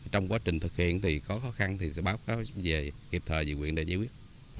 trong quá trình thực hiện thì có khó khăn thì sẽ báo cáo về kịp thời dự quyền để giải quyết